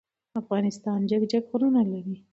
افغانستان جګ جګ غرونه لری.